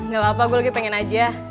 gak apa apa gue lagi pengen aja